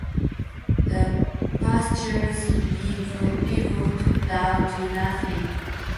The pasture’s nibbled down to nothing.